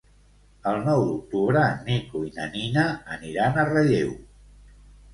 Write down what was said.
El nou d'octubre en Nico i na Nina aniran a Relleu.